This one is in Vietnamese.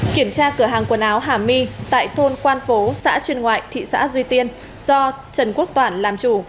kiểm tra cửa hàng quần áo hà my tại thôn quan phố xã chuyên ngoại thị xã duy tiên do trần quốc toản làm chủ